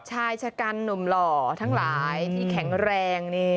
ชายชะกันหนุ่มหล่อทั้งหลายที่แข็งแรง